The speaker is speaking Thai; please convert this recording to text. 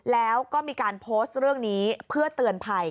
แล้วก็มีการโพสต์เรื่องนี้เพื่อเตือนภัย